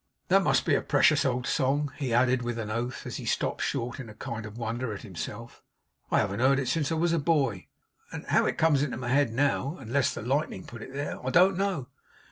That must be a precious old song,' he added with an oath, as he stopped short in a kind of wonder at himself. 'I haven't heard it since I was a boy, and how it comes into my head now, unless the lightning put it there, I don't know.